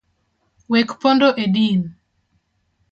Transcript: Wek pondo e din.